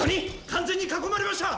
完全に囲まれました！